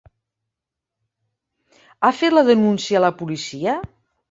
Ha fet la denúncia a la policia?